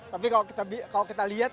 tapi kalau kita lihat